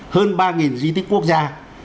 hơn ba di tích quốc gia